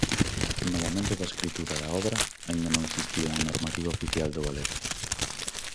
No momento da escritura da obra aínda non existía unha normativa oficial do galego.